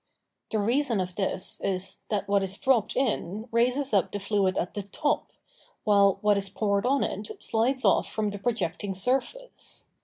The reason of this is, that what is dropt in raises up the fluid at the top, while what is poured on it slides off from the projecting surface.